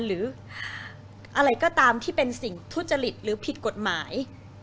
หรืออะไรก็ตามที่เป็นสิ่งทุจริตหรือผิดกฎหมาย